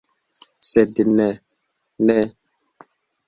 Sed ne, ne!